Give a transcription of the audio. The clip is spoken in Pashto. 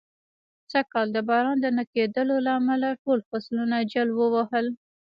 سږ کال د باران د نه کېدلو له امله، ټول فصلونه جل و وهل.